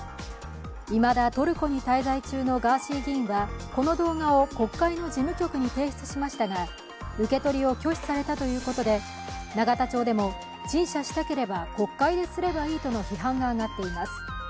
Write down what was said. いまだトルコに滞在中のガーシー議員はこの動画を国会の事務局に提出しましたが、受け取りを拒否されたということで、永田町でも陳謝したければ国会ですればいいとの批判が上がっています。